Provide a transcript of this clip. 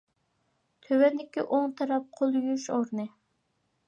تۆۋەندىكى ئوڭ تەرەپ قول يۇيۇش ئورنى.